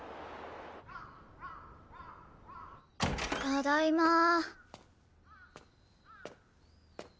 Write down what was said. ただいまー。